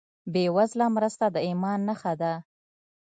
بېوزله مرسته د ایمان نښه ده.